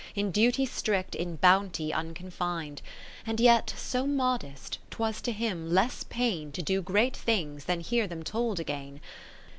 In duty strict, in bounty unconfin'd ; And yet so modest, 'twas to him less pain To do great things, than hear them told again.